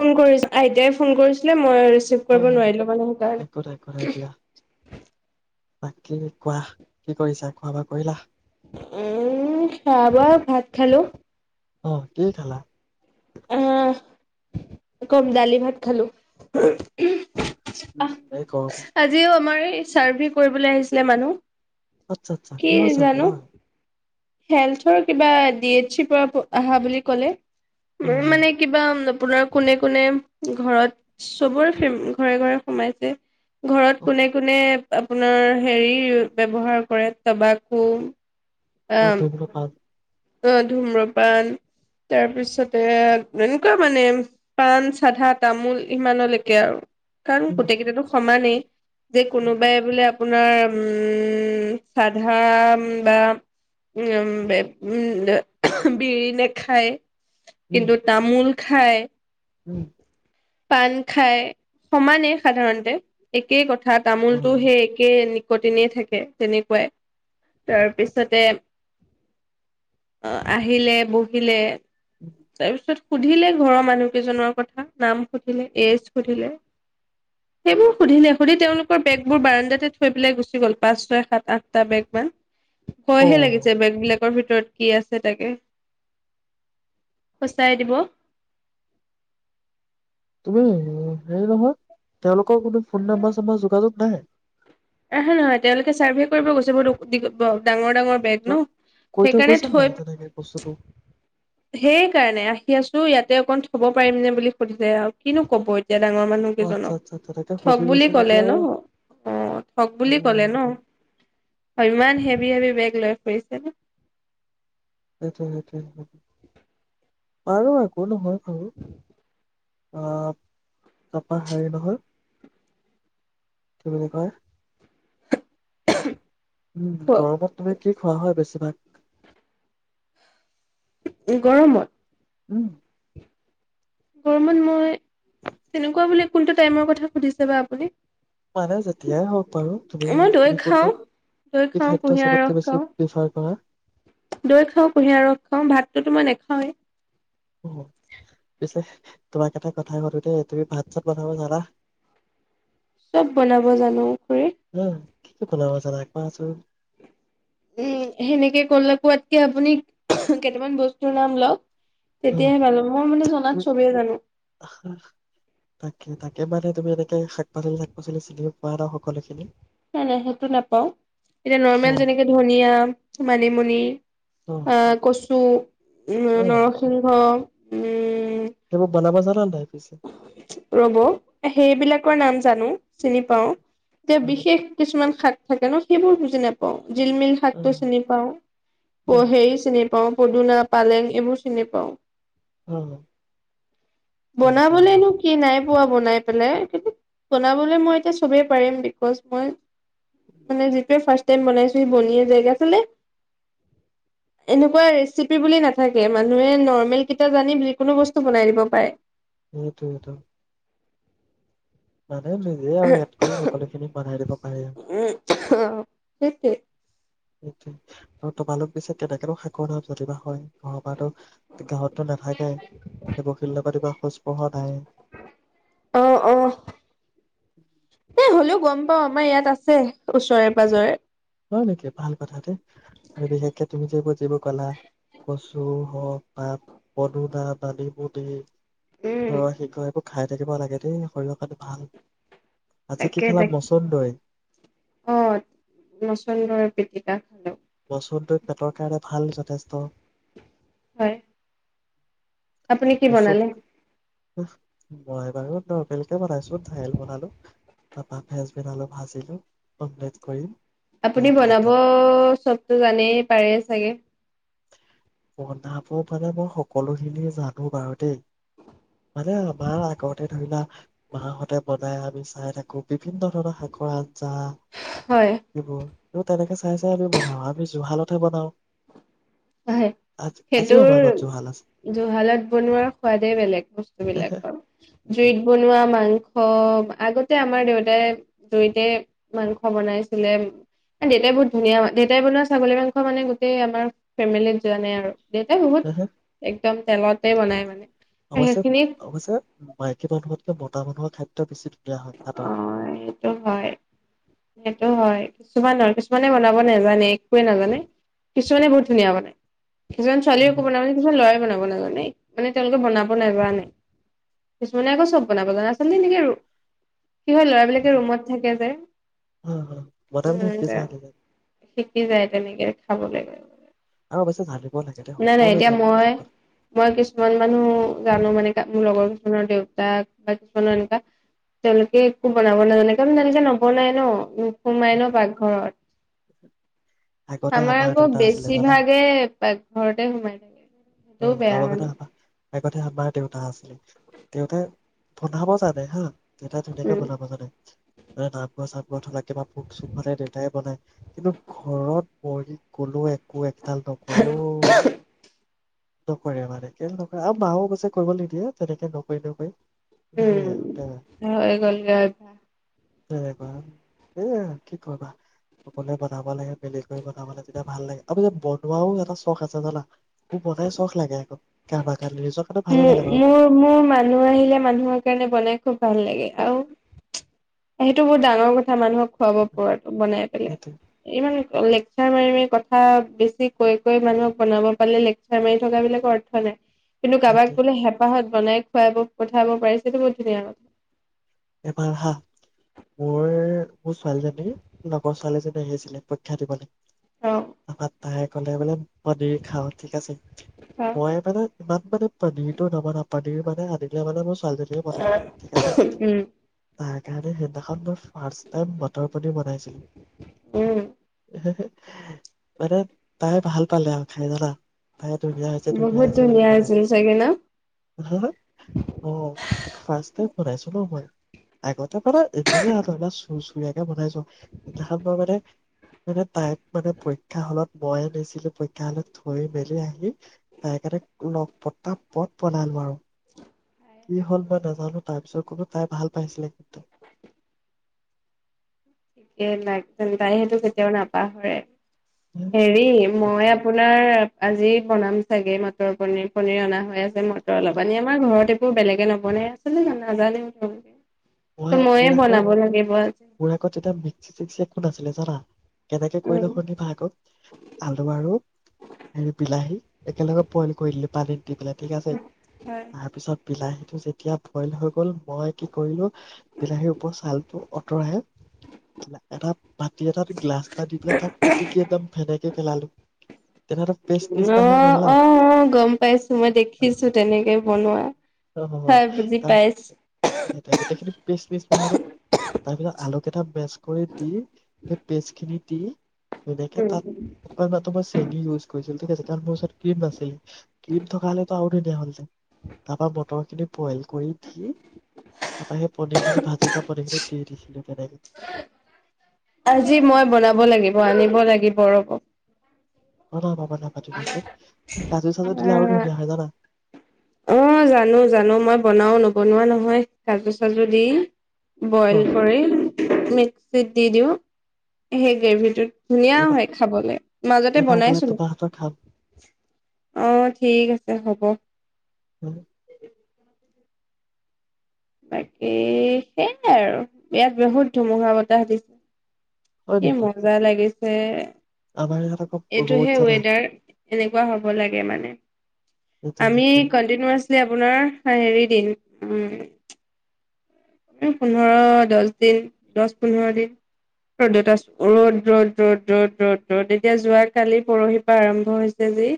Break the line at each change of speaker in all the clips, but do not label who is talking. Phone কৰি আইতাই phone কৰিছিলে মই ৰিচিভ
হয়
কৰিব
হয়
নোৱাৰিলো মানে
একো নাই একো নাই
সেইকাৰণে
দিয়া বাকী কোৱা কি কৰিছা খোৱা বা কৰিলা
উম আবাৰ ভাত খালো
অঁ কি খালা
আহ অঁ কম দালি ভাত খালো
উম,
আহ
এই গৰমত
আজিও আমাৰ এই চাৰ্ভে কৰিবলৈ আহিছিলে মানুহ
আচ্ছা আচ্ছা
কি
কিহ চাৰলে
জানো
হয়
হেল্থৰ কিবা ডি এইচ পৰা আহা বুলি ক'লে
হয়
উ
হয়
মানে কিবা আপোনাৰ কোনে কোনে ঘৰত চবৰে ফিম ঘৰে ঘৰে সোমাইছে।
অ
ঘৰত কোনে কোনে আপোনাৰ হেৰি ব্যৱহাৰ কৰে তবাকু
অঁ ধুম্ৰপান।
অঁহ ধুম্ৰপান তাৰপিছতে এনেকুৱা মানে পাণ, চাধা, তামোল ইমানলেকে আৰু। কাৰণ
উম
গোটেইকেইটাতো সমানেই। যে কোনোবাই বোলে আপোনাৰ উম চাধা বা উম বে উম [unintelligible] বিৰি নেখায়।
উম
কিন্তু তামোল খাই
উম।
পাণ খাই, সমানেই সাধাৰণতে একেই কথ ঠা তামোলটো
উম,
সেই একেই কটিনেই থাকে তেনেকুৱাই, তাৰপিছতে অঁহ আহিলে বহিলে তাৰপিছত সুধিলে ঘৰৰ মানুহকেইজনৰ কথা নাম সুধিলে এইজ সুধিলে সেইবোৰ সুধিলে সুধি তেওঁলোকৰ বেগ বোৰ বাৰাণ্ডাতে থৈ পেলাই গুচি গ'ল পাঁচ, ছয়, সাত, আঠটা বেগ মান।
অ
ভয়
অ
হে লাগিছে বেগ বিলাক বেগৰ ভিতৰত কি আছে তাকে? ফচাই দিব।
তুমি হেৰি নহয় তেওঁলোক কোনো ফোন নাম্বাৰ-চম্বাৰ যোগাযোগ নাই।
আহে নহয় তেওঁলোকে চাৰ্ভে কৰিব গৈছে বহুত ডাঙৰ ডাঙৰ বেগ ন
তোমাক কৈ
সেইকাৰণে
গৈছে
থৈ
নাই তেনেকে বস্তুটো
সেই কাৰণে আহি আছো ইয়াতে অকন থ'ব পাৰিম নে বুলি সুধিছে আৰু কিনো কব। এতিয়া ডাঙৰ মানুহ
অ আচ্ছা আচ্ছা তেনেকে
কেইজনক ঠগ
সুধি
বুলি
গৈছে
কলে
যেতিয়া
ন
আৰু
অ ঠগ
হ'ব
বুলি কলে
আৰু এতিয়া
ন ইমান হেভি হেভি বেগ লৈ ফুৰিছে ন'।
সেইটোৱে সেইটোৱে আৰু একো নহয়। আৰু অ', সপা হেৰি নহয় কি বুলি কয়।
[inaudible]
উম, গাঁৱৰ পৰা তুমি কি খোৱা হয় বেছিভাগ?
গৰমত?
উম।
গৰমত মই তেনেকুৱা বুলি কোনটো টাইমৰ কথা সুধিছে বা আপুনি?
মানে যেতিয়াই হওক বাৰু তুমি
মই দৈ
তুমি কোনটো
খাওঁ দৈ
কি
খাওঁ
খাদ্য
কুঁহিয়াৰ
চবতকে
ৰস
বেছি
খাওঁ
প্ৰিফাৰ কৰা?
দৈ খাওঁ কুঁহিয়াৰ ৰস খাওঁ ভাতটোতো মই নেখাওঁ। হয়।
পিছে তোমাক এটা কথা শুধো দেই তুমি ভাত চাত বনাব জানা?
চব বনাব জানো খুৰী।
উম, কি কি বনাব [inaudible]
উম, সেনেকে ক'লে কোৱাতকে আপুনি কেইটামান বস্তুৰ নাম লওঁক।
উম,
চবেই জানো
তাকে, তাকে মানে তুমি এনে [unintelligible] পাচলি শাক-পাচলি চিনিও বাৰাণ্ডাত সকলোখিনি
নাই নাই সেইটো নাপাও এতিয়া নৰ্মেল
অ',
যেনেকে ধনিয়া, মানিমুনি,
অ',
আহ কচু উম নৰসিংহ, উম।
তুমি বনাব জানা? [unintelligible]
ৰ'ব সেইবিলাকৰ নাম জানো। চিনি পাওঁ যে
অ',
বিশেষ কিছুমান খাদ্য থাকে ন সেইবোৰ বুজি নাপাও জিলমিল শাকটো
অ',
চিনি পাওঁ
অ',
হেৰি চিনি পা পাওঁ পদুনা পালেং এইবোৰ চিনি পাওঁ
অ দিয়া দিয়া হ'ব
বনাবলেনো কি নাই পোৱা বনাই পেলে কিন্তু বনাবলৈ এতিয়া মই চবেই পাৰিম বিকজ মই মানে যিটোৱে ফাৰ্ষ্ট টাইম বনাইছো সি বনিয়ে যায় গে আচলতে এনেকুৱা ৰেচিপি বুলি নাথাকে। মানুহে নৰ্মেল কেইটা জানি যিকোনো বস্তু বনাই দিব পাৰে
সেইটোৱেইটো মানে নিজে আৰু এড কৰি সকলোখিনি বনাই দিব পাৰি
অ সেইটোৱেই
[unintelligible] আৰু তোমালোক পিছে তেনেকো শাকৰ নাম জানিবা হয় ঘৰৰ পৰাতো গাঁৱতো নাথাকাই বশিল্য [unintelligible] নাই
অ অ এ হ'লেও গম পাও আমাৰ ইয়াত আছে ওচৰে পাজৰে
হয় নেকি ভাল কথা দে আৰু বিশেষকে তুমি যিবোৰ যিবোৰ কলা কচু হওক তাত পদুনা, মানিমুনি
উম
অ সি ক এইবোৰ খাই থাকিব লাগে দেই শৰীৰৰ কাৰণে ভাল আজি
তাকে
কি খেলা
তাকে
মচণ্ডই
মছন্দৰী পিটিকা খালোঁ
[unintelligible] পেটৰ কাৰণে ভাল যথেষ্ট
হয় আপুনি কি
কচু
বনালে
মই বাৰু নৰ্মেল কে বনাইছো দাইল বনালো তাৰাপা ফেচবিন আলু ভাজিলো অমলেট কৰিম
আপুনি
এয়া ভাত
বনাব
আৰু
চব ো জানেই পাৰে চাগে
বনাব মানে মই সকলোখিনি জানো বাৰু দেই মানে আমাৰ আগতে ধৰি লোৱা মাহতে বনাই আমি চাই থাকো বিভিন্ন ধৰণৰ শাকৰ আ ঞ্জা
হয়।
এইবোৰ ত তেনেকে চাই চাই আমি বনাওঁ আমি জুহালতহে বনাওঁ
হয় সেইটোৰ
ঘৰত জুহাল আছে
জুহালত বনোৱাৰ সোৱাদেই বেলেগ বস্তু বিলাকৰ জুইত বনোৱা মাংস আগতে আমাৰ দেউতাই জুইতে মাংস বনাইছিলে দেউতাই বহুত ধুনীয়া দেউতাই বনোৱা ছাগলী মাংস মানে গোটেই আমাৰ ফেমিলিত যোৱা নাই আৰু দেউতা
হে
বহুত একদম তেলতে বনাই মানে
অৱশ্যে
সেইখিনি
অৱশ্যে মাইকী মানুহত মতা মানুহৰ খাদ্য বেছি ধুনীয়া হয়
অ
হাতৰ
সেইটো হয় সেইটো হয় কিছুমান ন কিছুমানে বনাব নাজানে একোৱে নাজানে কিছুমানে বহুত ধুনীয়া বনায় কিছুমান
অ
ছোৱালীয়েও একো বনাব নাজানে কিছুমান লৰাই বনাব নাজানে মানে মানে তেওঁলোকে বনাব নেজানে কিছুমানে আকৌ চব বনাব জানে আচলতে নেকি আৰু কি হয় ল'ৰা বিলাকে ৰুমত থাকে যে
অ মতা মানুহে শিকি চাই
উ
নাজানো
শিকি যায় তেনেকে খাবলৈে
আৰু অৱশ্যে জানিব লাগে দে
নাই নাই
সকলোৱে
এতিয়া
জানো
মই
চব কথা
মই কিছুমান মানুহ জানো মানে মোৰ লগৰ কিছুমানৰ দেউতাক বা কিছুমানৰ এনেকুৱা তেওঁলোকে একো বনাব নাজানে কাৰণ জানিছে ন, ওপৰলৈ এনেও নোসোমাই ন পাকঘৰত।
আগতে
আমাৰ আকৌ
দেউতা আছিলে জানা
বেছিভাগে পাকঘৰত তেওঁ সোমাই থাকে।
উ উ
সেইটোও
উ
বেয়া
আমাৰ কথা
মানে
ভাবা। আগতে আমাৰ দেউতা আছিলে, দেউতাই বনাব জানে হা দেউতাই
উম
ধুনীয়াকৈ বনাব জানে। এই নামঘৰ-চামঘৰত হ'লে কিমান ভোগ-চোগ মানে দেউতাই বনাই, কিন্তু ঘৰত মৰি গলেওঁ একো এক ডালপাত সৰে অ'অঅ। নকৰে মানে, কেইলে নকৰে আৰু মাওঁ অৱশ্যে কৰিব নিদিয়ে তেনেকে নকৰি, নকৰি। সেয়ে
উম,
আৰু তে-
হৈ গ'লগে অভ্যাস।
তেনেকুৱা, এইয়াই কি কৰিবা। সকলোৱে বনাব লাগে, মিলি কৰি বনাব লাগে তেতিয়া ভাল লাগে। অবৱশ্যে বনোৱাওঁ এটা চখ আছে জানা? মোৰ বনাই চখ লাগে আকৌ কাৰণে নিজৰ কাৰণে ভালো
মো,
লাগে বাৰু
মোৰ, মোৰ মানুহ আহিলে, মানুহৰ কাৰণে বনাই খুব ভাল লাগে আৰু এইটো বহুত ডাঙৰ কথা মানুহক খুৱাব পৰাটো, বনাই
সেইটোৱে
পেলাই ইমান লেকচাৰ মাৰি, মাৰি কথা বেছি কৈ, কৈ মানুহক বনাব পালে, লেকচাৰ মাৰি থকা বিলাকৰ অৰ্থ নাই। কিন্তু কাৰোবাক
সেইটোৱে
বোলে হেঁপাহত বনাই খুৱাব পঠাব পাৰিছেতো বহুত ধুনীয়া
এবাৰ হাহ মোৰ, মোৰ ছোৱালীজনীৰ লগৰ ছোৱালীজনী আহিছিলে পৰীক্ষা দিবলৈ।
অ
আমাক তাই ক'লে বোলে পনীৰ খাওঁ ঠিক আছে, চুচ
অ
মই মানে ইমান মানে পনীৰটোও নবনাও, পনীৰ মানে আনিলে মানে মোৰ স নৱনাও মানুহজনীয়ে বনাই ঠিক আছে।
উম
তাইৰ কাৰণে সেইদিনাখন মই ফাষ্ট টাইম মটৰ পনীৰ বনাইছিলো।
উম
মানে তাই ভাল পালে আৰু খাই জানা? তাই ধুনীয়া হৈছে, ধুনীয়া
বহুত
হৈছে বুলি কলে।
আছিল চাগে ন?
অ' ফাষ্ট টাইম বনাইছো ন মই। আগত তাৰপৰা এদিনে চুৰ্চুৰীয়াকৈ বনাইছো। দেহাক মই মানে, মানে তাইক মানে, পৰীক্ষাহ'লত ময়েই নিছিলো। পৰীক্ষা হ'লত থৈ মেলি আহি তাইৰ কাৰণে ন পতা-পত বনালো আৰু, কি হ'ল মই নাজানো? তাৰ পিছত ক'ব তাই ভাল পাইছিলে।
কেই তে তাই সেইটো কেতিয়াও নাপাহৰে হেৰি মই আপোনাৰ আজি বনাম চাগে মটৰ পনিৰ পনিৰ অনা হৈ আছে মটৰ অলপ পানী আমাৰ ঘৰতে মোৰ বেলেগে নবনাই আছিলতে নাজানেও ত
মই
মইয়ে
মোৰ আগত
বনাব লাগিব আজি
মোৰ আগত [unintelligible] নাছিলে জানা কেনেকে কৰিলো
উম
শুনিবা আকৌ আলু আৰু হেৰি বিলাহী একেলগে বইল কৰি দিলো পানীত দি পেলাই ঠিক আছে
হয়।
তাৰপিছত বিলাহীটো যেতিয়া বইল হৈ গ'ল মই কি কৰিলোঁ বিলাহীৰ ওপৰত ছালটো আঁতৰাই এটা বাটি এটাত গ্লাছ এটা দি পেলাই তাক পিটিকি একদম ফেনেকে পেলালো তেনেহ'লে পেষ্ট নিচিনা
অ
হৈ গ'ল ন
অ অ গম পাইছো মই দেখিছো তেনেকে বনোৱা
অ, অ, অ।
খাই বুজি
তাৰ
পাইছো
সেই গোটেইখিনি পেষ্ট নিচিনা হৈ গ'ল তাৰ পিছত আলু কেইটা মেচ কৰি দি সেই পেষ্ট খিনি দি তেনেকে
উম।
তাত অকমান মাত্ৰ মই চেনী ইউজ কৰিছিলো ঠিক আছে কাৰণ মোৰ ওচৰত ক্ৰীম নাছিল ক্ৰীম থকা হ'লে তো আৰু দিয়া হ'ল যে তাৰপা মতৰ খিনি বইল কৰি দি তাপৰা সেই পনিৰ খিনি ভাজি থোৱা পনীৰ খিনি দি দি [unintelligible]
আজি মই বনাব লাগিব আনিব লাগিব ৰ
হ বনাবা ধুনীয়াকে কাজু চাজু দিলে আৰু
অ'।
ধুনীয়া হয় জানা
অ জানো জানো মই বনাও নবনোৱা নহয় কাজু চাজু দি
অ
বইল কৰি মিক্সিত দি দিওঁ সেই গ্ৰেভিটোত ধুনীয়া
এবাৰ
হয় খাবলৈ মাজতে
এবাৰ গ'লে
বনাইছো
তোমাৰ হাতৰ খাম
অ ঠিক আছে হ'ব
উম
বাকী সেই আৰু ইয়াত বহুত ধুমুহা বতাহ দিছে
হয়
কি
নেকি?
মজা লাগিছে যে
আমাৰ ইয়াত আকৌ ৰ'দ
এইটোহে
জানা
ৱেডাৰ এনেকুৱা হ'ব লাগে মানে।
সেইটোৱে
আমি
সেইটোৱে।
কণ্টিনিআচ কি যে আপোনাৰ হেৰি দিন উম পোন্ধৰ, দহ দিন দহ পোন্ধৰ দিন ৰ'দত ৰ'দ, ৰ'দ, ৰ'দ, ৰ'দ, ৰ'দ, ৰ'দ এতিয়া যোৱ কালি পৰশিপা আৰম্ভ হৈছে যি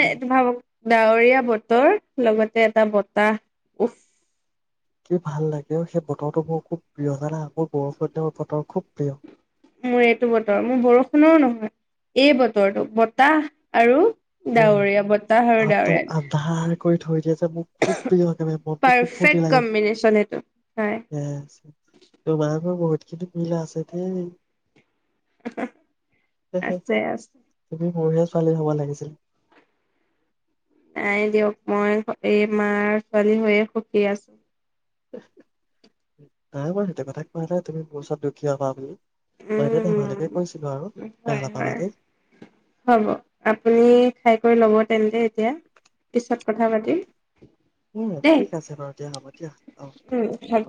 উম,
ভাৱক ডাৱৰীয়া বতৰ লগতে এটা বতাহ উফ।
কি ভাল লাগে সেই বতৰটো মোৰ খুব প্ৰিয় জানা মোৰ বৰষুণ দি বতৰ খুব প্ৰিয়।
মোৰ এইটো বতৰ মোৰ বৰষুণও নহয়, এই বতৰটো বতাহ আৰু
উম,
ডাৱৰীয়া বতাহ
আৰু
ডাৱৰীয়া
তোক আন্ধাৰ কৰি থৈ দিয়া যে, মোৰ খুব প্ৰিয় একেবাৰে মনটো খুব
পাৰফেক্ট
ফূৰ্তি লাগে
কম্বিনেশ্যন সেইটো হয়
[unintelligible] [unintelligible] মিলা আছে দেই। [unintelligible]
আছে আছে
ছোৱালী হ'ব লাগিছিল
নাই দিয়ক, মই এই মাৰ ছোৱালী হৈয়ে সুখী আছো।
নাই মই সেইটো কথা কোৱা তুমি মোৰ ওচৰত দুখীয়া হোৱা বুলি মই এনে
উম,
ধেমালিকে কৈছিলো আৰু। বেয়া
হয়,
নাপাবা
হয়,
দেই,
হ'ব আপুনি খাই কৰি ল'ব [unintelligible] এতিয়া পিছত কথা পাতিম।
উম,
দেই
ঠিক আছে বাৰু দিয়া হ'ব দিয়া অ'।
উম হ'ব